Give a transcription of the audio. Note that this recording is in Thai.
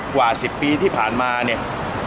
กว่า๑๐ปีที่ผ่านมาเนี่ย